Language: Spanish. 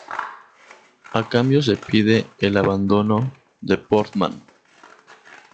A cambio se pide el abandono de Portmán.